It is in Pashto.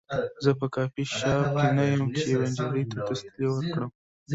زه په کافي شاپ کې نه یم چې یوې نجلۍ ته تسلي ورکړم